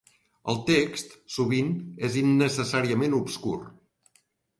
El text sovint és innecessàriament obscur.